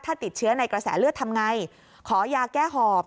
ถ้าติดเชื้อในกระแสเลือดทำไงขอยาแก้หอบ